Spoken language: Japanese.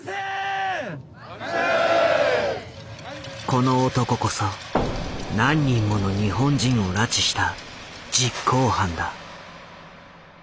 この男こそ何人もの日本人を拉致した実行犯だ。